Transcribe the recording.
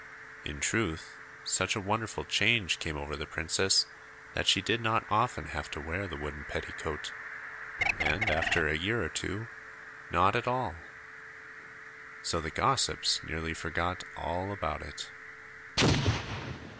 In truth, such a wonderful change came over the princess that she did not often have to wear the wooden petticoat, and after a year or two, not at all. So the gossips nearly forgot all about it.